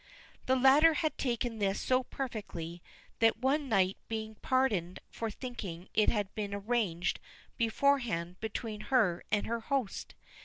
The latter had taken this so perfectly, that one might be pardoned for thinking it had been arranged beforehand between her and her host.